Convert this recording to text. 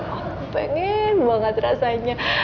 aku pengen banget rasanya